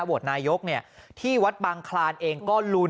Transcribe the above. โหวตนายกที่วัดบางคลานเองก็ลุ้น